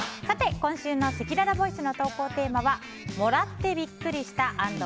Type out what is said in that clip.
今週のせきららボイスの投稿テーマはもらってびっくりした＆